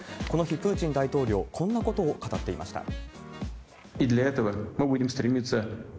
この日、プーチン大統領、こんなことを語っていました。